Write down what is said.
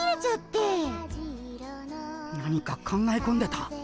何か考え込んでた？